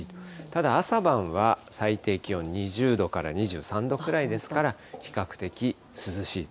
ただ朝晩は、最低気温２０度から２３度くらいですから、比較的、涼しい。